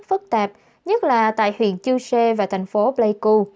phức tạp nhất là tại huyện chư sê và thành phố pleiku